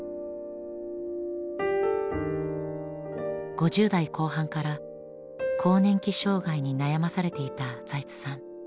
５０代後半から更年期障害に悩まされていた財津さん。